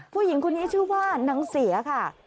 ผู้หญิงคนนี้ชื่อว่านางเสียค่ะ